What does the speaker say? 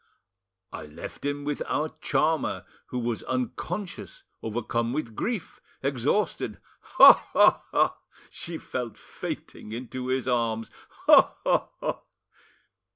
"I left him with our charmer, who was unconscious, overcome with grief, exhausted Ha! ha! ha! She fell fainting into his arms! Ha! ha! ha!"